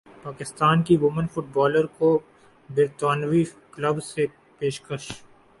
پاکستان کی women footballer کو برطانوی کلب سے پیشکش